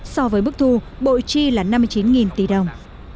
so với bức thu bội chi là năm mươi chín tỷ đồng